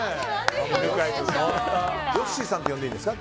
ヨッシーさんって呼んでいいですか？